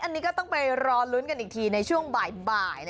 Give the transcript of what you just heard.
อันนี้ก็ต้องไปรอลุ้นกันอีกทีในช่วงบ่าย